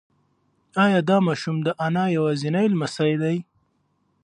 ایا دا ماشوم د انا یوازینی لمسی دی؟